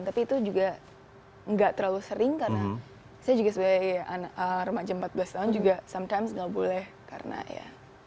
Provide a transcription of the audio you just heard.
tapi itu juga nggak terlalu sering karena saya juga sebagai remaja empat belas tahun juga sometime nggak boleh karena ya